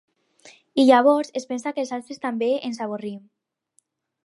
I llavors, es pensa que els altres també ens avorrim.